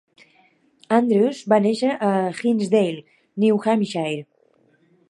Andrews va néixer a Hinsdale, New Hampshire.